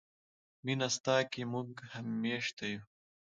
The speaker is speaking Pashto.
مینه ستا کې موږ میشته یو.